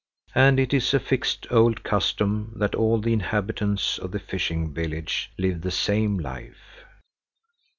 And it is a fixed old custom that all the inhabitants of the fishing village live the same life.